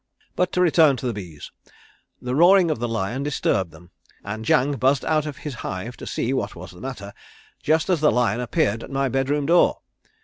"But to return to the bees. The roaring of the lion disturbed them, and Jang buzzed out of his hive to see what was the matter just as the lion appeared at my bed room door.